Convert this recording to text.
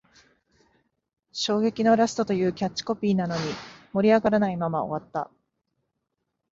衝撃のラストというキャッチコピーなのに、盛り上がらないまま終わった